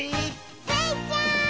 「スイちゃん」！